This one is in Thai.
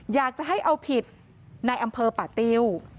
อยากจะให้เอาผิดในอำเภอป่าติ้ว